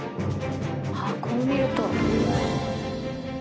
ああこう見ると。